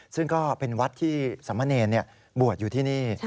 ซึ่งก็เป็นวัดที่สามเณรบวชอยู่ที่นี่